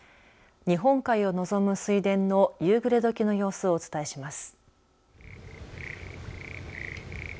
日本海を望む水田の夕暮れどきの様子をお伝えします。